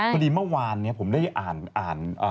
พอดีเมื่อวานผมได้อ่าน